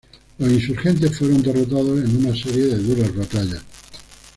Los insurgentes fueron derrotados en una serie de duras batallas.